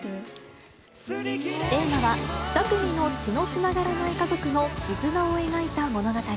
映画は２組の血のつながらない家族の絆を描いた物語。